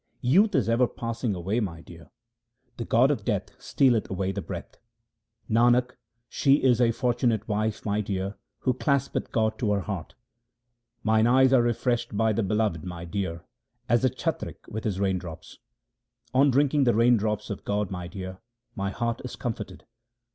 Youth is ever passing away, my dear, the god of death stealeth away the breath. Nanak, she is a fortunate wife, my dear, who claspeth God to her heart. Mine eyes are refreshed by the Beloved, my dear, as the chatrik with his raindrops. On drinking the raindrops of God, my dear, my heart is comforted.